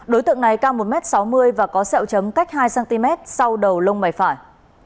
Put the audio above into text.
đối tượng này cao một m sáu mươi và có sẹo chấm cách hai cm sau đầu lông mày phải